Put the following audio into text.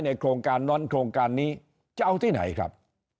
โครงการนั้นโครงการนี้จะเอาที่ไหนครับ